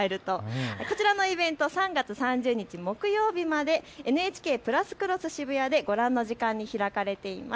こちらのイベント３月３０日木曜日までＮＨＫプラスクロスＳＨＩＢＵＹＡでご覧の時間に開かれています。